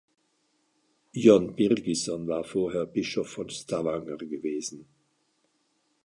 Jon Birgisson war vorher Bischof von Stavanger gewesen.